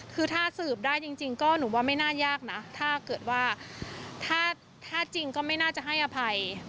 คือถ้าสืบได้จริงก็หนูว่าไม่น่ายากนะถ้าเกิดว่าถ้าจริงก็ไม่น่าจะให้อภัย